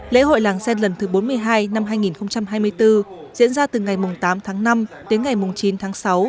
lễ hội làng sen lần thứ bốn mươi hai năm hai nghìn hai mươi bốn diễn ra từ ngày tám tháng năm đến ngày chín tháng sáu